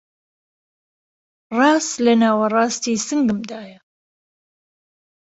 ڕاست لەناوەڕاستی سنگمدایه